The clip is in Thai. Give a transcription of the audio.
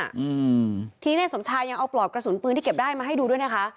อืมทีนี้ในสมชายยังเอาปลอกกระสุนปืนที่เก็บได้มาให้ดูด้วยนะคะ